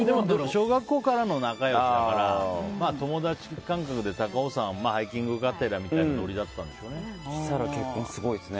小学校からの仲良しだからまあ、友達感覚で高尾山ハイキングがてら、みたいなそうしたら結婚、すごいですね。